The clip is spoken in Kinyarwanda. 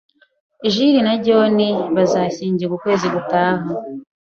Jill na John bazashyingirwa ukwezi gutaha.